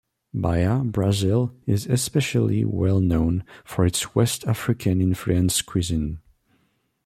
Bahia, Brazil, is especially well known for its West African-influenced cuisine.